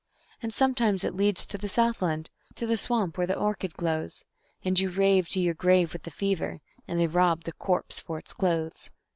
And sometimes it leads to the Southland, to the swamp where the orchid glows, And you rave to your grave with the fever, and they rob the corpse for its clothes.